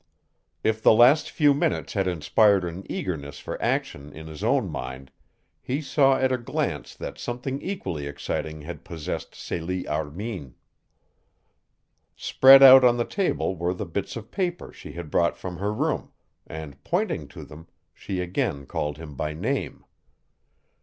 If the last few minutes had inspired an eagerness for action in his own mind he saw at a glance that something equally exciting had possessed Celie Armin. Spread out on the table were the bits of paper she had brought from her room, and, pointing to them, she again called him by name.